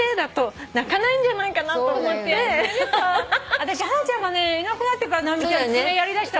あたしハナちゃんがいなくなってから直美ちゃん爪やりだした。